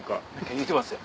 言うてますよ。